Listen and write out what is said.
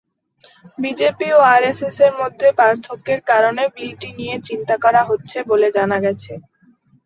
BJP ও আরএসএস-এর মধ্যে পার্থক্যের কারণে বিলটি নিয়ে চিন্তা করা হচ্ছে বলে জানা গেছে।